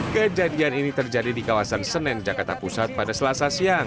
kejadian ini terjadi di kawasan senen jakarta pusat pada selasa siang